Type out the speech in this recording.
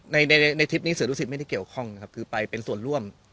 ในในทริปนี้เสือดุสิตไม่ได้เกี่ยวข้องนะครับคือไปเป็นส่วนร่วม